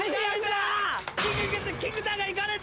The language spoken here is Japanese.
菊田がいかれた！